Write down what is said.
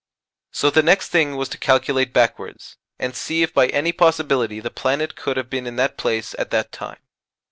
So the next thing was to calculate backwards, and see if by any possibility the planet could have been in that place at that time.